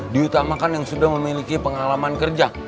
diutamakan yang sudah memiliki pengalaman kerja